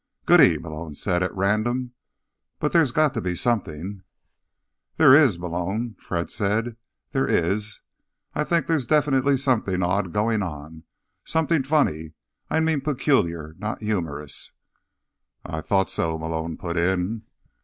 "Goody," Malone said at random. "But there's got to be something—" "There is, Malone," Fred said. "There is. I think there's definitely something odd going on. Something funny. I mean peculiar, not humorous." "I thought so," Malone put in.